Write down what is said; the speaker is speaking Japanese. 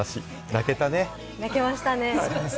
泣けましたね。